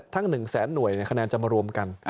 ทั้ง๑แสนหน่วยขนาดจะมารวมกัน